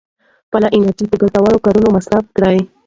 خپله انرژي په ګټورو کارونو مصرف کړئ.